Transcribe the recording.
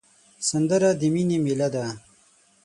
سندره د مینې میله ده